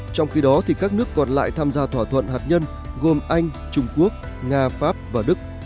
trong khi đó các nước còn lại tham gia thỏa thuận hạt nhân gồm anh trung quốc nga pháp và đức